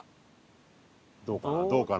どうかな？